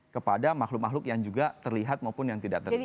kepada makhluk makhluk yang juga terlihat maupun yang tidak terlihat